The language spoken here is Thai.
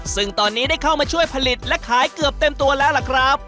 ซึ่งตอนนี้ได้เข้ามาช่วยผลิตและขายเกือบเต็มตัวแล้วล่ะครับ